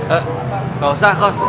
eh gausah kos